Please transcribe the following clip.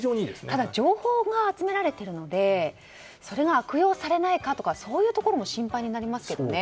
ただ、情報が集められているのでそれが悪用されないかというところも心配になりますけどね。